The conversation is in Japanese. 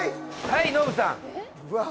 はいノブさんうわ